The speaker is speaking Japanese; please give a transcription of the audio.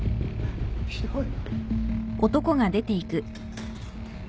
ひどい。